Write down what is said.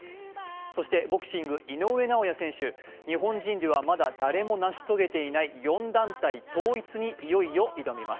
そしてボクシング・井上尚弥選手、日本人ではまだ誰も成し遂げていない４団体統一にいよいよ挑みます。